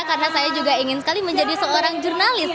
karena saya juga ingin sekali menjadi seorang jurnalis